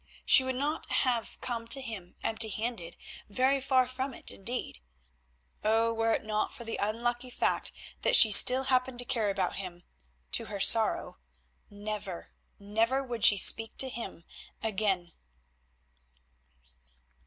She would not have come to him empty handed, very far from it, indeed. Oh! were it not for the unlucky fact that she still happened to care about him—to her sorrow—never, never would she speak to him again.